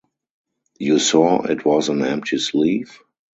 You saw it was an empty sleeve?